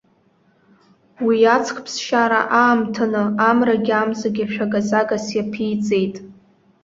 Уи аҵх ԥсшьара аамҭаны, амрагьы амзагьы шәага-загас иаԥиҵеит.